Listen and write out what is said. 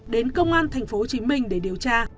đến công an tp hcm để điều tra